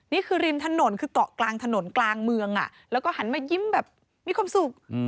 ริมถนนคือเกาะกลางถนนกลางเมืองแล้วก็หันมายิ้มแบบมีความสุข